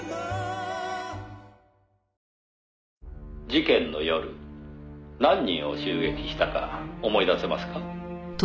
「事件の夜何人を襲撃したか思い出せますか？」